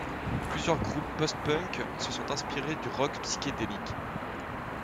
Plusieurs groupes post-punk se sont inspirés du rock psychédélique.